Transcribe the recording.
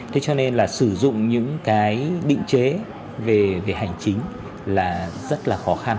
thế cho nên là sử dụng những cái định chế về hành chính là rất là khó khăn